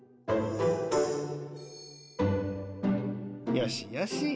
よしよし。